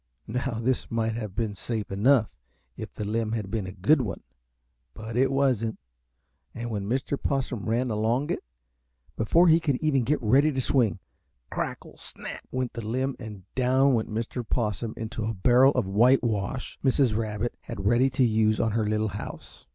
Now this might have been safe enough if the limb had been a good one, but it wasn't, and when Mr. Possum ran along it, before he could even get ready to swing, "crackle, snap," went the limb and down went Mr. Possum into a barrel of whitewash Mrs. Rabbit had ready to use on her little house.